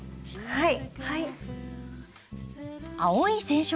はい。